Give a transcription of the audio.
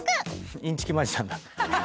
インチキマジシャンだ。